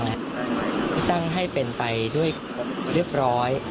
เลือกตั้งให้เป็นไปเรียบร้อย